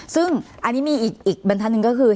ซึ่งอันนี้มีอีกบรรทัศนหนึ่งก็คือ